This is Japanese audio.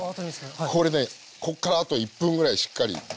これねこっからあと１分ぐらいしっかり。